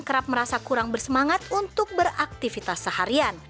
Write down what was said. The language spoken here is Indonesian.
kerap merasa kurang bersemangat untuk beraktivitas seharian